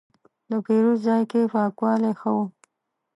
د پیرود ځای کې پاکوالی ښه و.